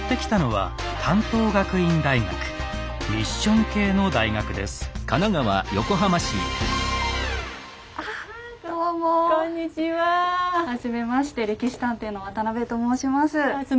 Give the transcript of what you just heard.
はじめまして「歴史探偵」の渡邊と申します。